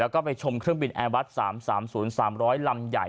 แล้วก็ไปชมเครื่องบินแอร์วัด๓๓๐๓๐๐ลำใหญ่